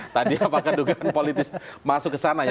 tadi apa kedugaan politis masuk ke sana ya